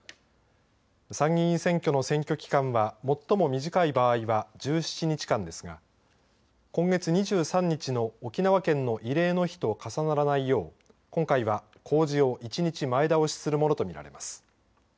参議院選挙の選挙期間は最も短い場合は１７日間ですが今月２３日の沖縄県の慰霊の日と重ならないよう今回は公示を１日前倒しするものと見られます。